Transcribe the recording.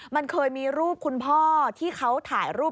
มันเคยมีรูปคุณพ่อที่เขาถ่ายรูป